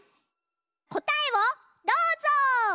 こたえをどうぞ！